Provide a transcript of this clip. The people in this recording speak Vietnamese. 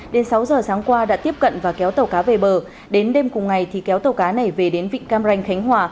đến sáu giờ sáng qua đã tiếp cận và kéo tàu cá về bờ đến đêm cùng ngày thì kéo tàu cá này về đến vịnh cam ranh khánh hòa